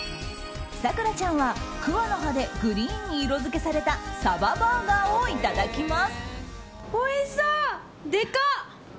咲楽ちゃんは桑の葉でグリーンに色づけされたサババーガーをいただきます。